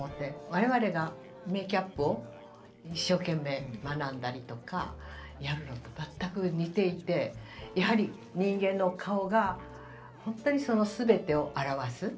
我々がメーキャップを一生懸命学んだりとかやるのと全く似ていてやはり人間の顔が本当にその全てを表す。